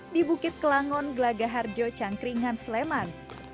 di bukit kelangon gelagah harjo cangkringan sleman